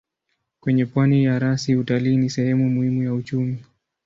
Kwenye pwani ya rasi utalii ni sehemu muhimu ya uchumi.